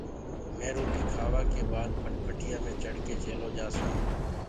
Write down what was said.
مي روٽيٚ کآوآ ڪي بآد ڦٽَڦٽِيآ مي چڙه ڪي چيلو جآسونٚ